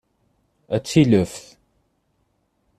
A tileft!